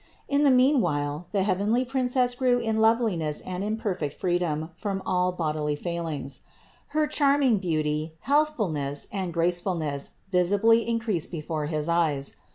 In the meanwhile the heavenly Princess grew in loveliness and in perfect freedom from all bodily failings. Her charming beauty, healthfulness and grace fulness visibly increased before his eyes.